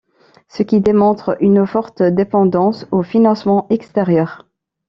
Ce qui démontre une forte dépendance aux financements extérieurs.